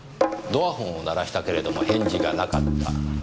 ドアホンを鳴らしたけれども返事がなかった。